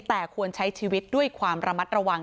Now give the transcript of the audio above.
แต่ควรใช้ชีวิตด้วยความระมัดระวัง